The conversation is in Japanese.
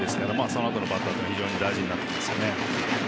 そのあとのバッターは非常に大事になってきますね。